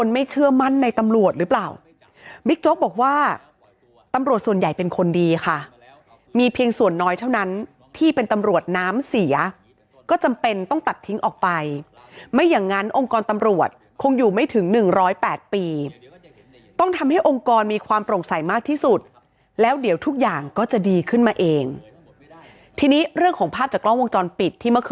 ไม่เชื่อมั่นในตำรวจหรือเปล่าบิ๊กโจ๊กบอกว่าตำรวจส่วนใหญ่เป็นคนดีค่ะมีเพียงส่วนน้อยเท่านั้นที่เป็นตำรวจน้ำเสียก็จำเป็นต้องตัดทิ้งออกไปไม่อย่างนั้นองค์กรตำรวจคงอยู่ไม่ถึงหนึ่งร้อยแปดปีต้องทำให้องค์กรมีความโปร่งใสมากที่สุดแล้วเดี๋ยวทุกอย่างก็จะดีขึ้นมาเองทีนี้เรื่องของภาพจากกล้องวงจรปิดที่เมื่อค